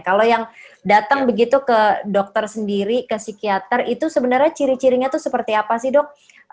kalau yang datang begitu ke dokter sendiri ke psikiater itu sebenarnya ciri cirinya itu seperti apa sih dok